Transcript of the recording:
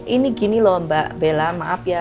ini gini loh mbak bella maaf ya